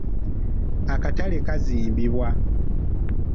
Akatale kazimbibwa.